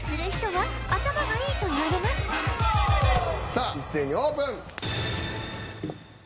さあ一斉にオープン！